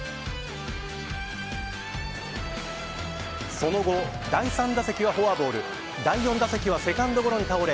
その後、第３打席はフォアボール第４打席はセカンドゴロに倒れ